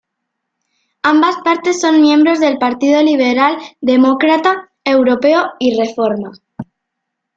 Ambas partes son miembros del Partido Liberal Demócrata Europeo y Reforma.